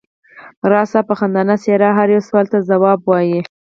راز صاحب په خندانه څېره هر یو سوال ته ځواب وایه.